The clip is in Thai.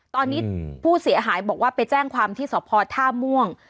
ตอนนี้ผู้เสียหายบอกว่าไปแจ้งความที่สพท่าม่วง